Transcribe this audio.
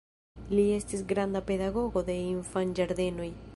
Li estis granda pedagogo de infanĝardenoj.